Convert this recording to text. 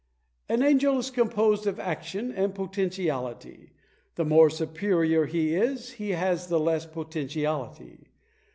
An angel is composed of action and potentiality; the more superior he is, he has the less potentiality.